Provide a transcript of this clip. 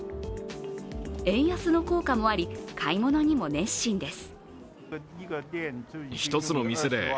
円安の効果もあり、買い物にも熱心です。